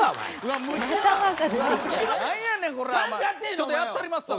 ちょっとやったりますわ。